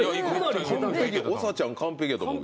長ちゃん、完璧やと思う。